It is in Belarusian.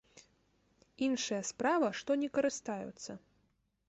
Іншая справа, што не карыстаюцца.